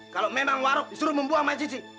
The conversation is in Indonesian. kalau memang warog disuruh membuang mayat cici